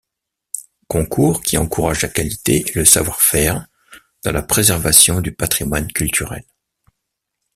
Concours qui encourage la qualité et le savoir-faire dans la préservation du patrimoine culturel.